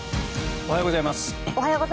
おはようございます。